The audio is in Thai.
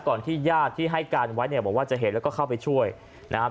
ที่ญาติที่ให้การไว้เนี่ยบอกว่าจะเห็นแล้วก็เข้าไปช่วยนะครับ